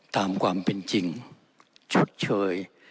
ตามความเป็นจริงชดเชย